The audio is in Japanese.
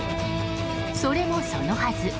それもそのはず